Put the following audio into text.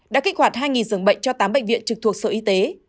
đã kích hoạt hai giường bệnh cho tám bệnh viện trực thuộc sở y tế